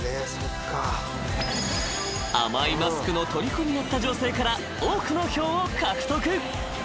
［甘いマスクのとりこになった女性から多くの票を獲得］